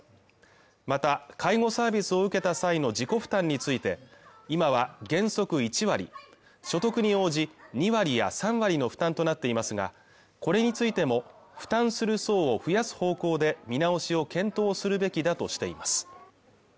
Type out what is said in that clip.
また介護サービスを受けた際の自己負担について今は原則１割所得に応じ２割や３割の負担となっていますがこれについても負担する層を増やす方向で見直しを検討するべきだとしています